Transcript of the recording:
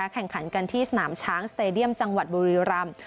แข่งขันกันที่สนามช้างสเตดียมจังหวัดบุรีรำ